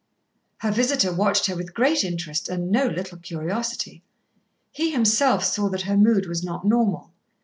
Her visitor watched her with great interest and no little curiosity. He himself saw that her mood was not normal.